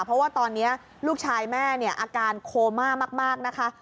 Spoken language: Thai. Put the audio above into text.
เพราะว่าตอนนี้ลูกชายแม่เนี่ยอาการโคม่ามากนะคะ